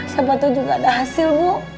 saya bantu juga ada hasil bu